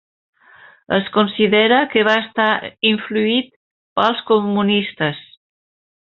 Es considera que va estar influït pels comunistes.